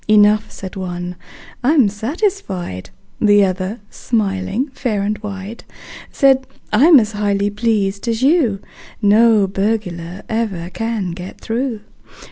"Enough," said one: "I'm satisfied." The other, smiling fair and wide, Said: "I'm as highly pleased as you: No burglar ever can get through.